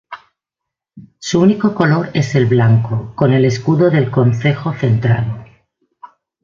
Su único color es el blanco, con el escudo del concejo centrado.